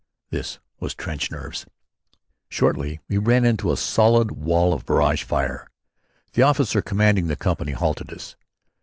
This was trench nerves. Shortly, we ran into a solid wall of barrage fire. The officer commanding the company halted us.